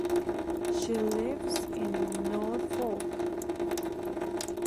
She lives in Norfolk.